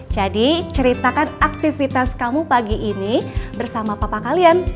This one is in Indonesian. jadi ceritakan aktivitas kamu pagi ini bersama papa kalian